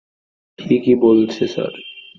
ঠিকই বলছে, স্যার।